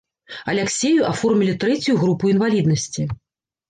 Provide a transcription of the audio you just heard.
Аляксею аформілі трэцюю групу інваліднасці.